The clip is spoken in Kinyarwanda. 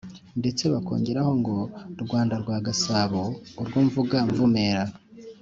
ndetse bakongeraho ngo "rwanda rwa gasabo, urwo mvuga mvumera